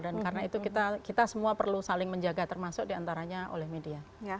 dan karena itu kita semua perlu saling menjaga termasuk diantaranya oleh media